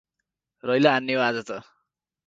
रैला हान्ने हो आज त ।